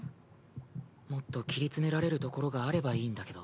ドクンドクンもっと切り詰められるところがあればいいんだけど。